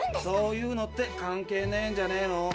そういうのって関係ねえんじゃねえの。